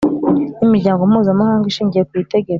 n imiryango mpuzamahanga ishingiye ku itegeko